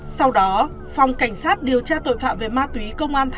sau đó phòng cảnh sát điều tra tội phạm về ma túy công an tp hcm